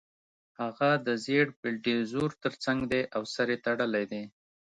هغه د زېړ بلډیزور ترڅنګ دی او سر یې تړلی دی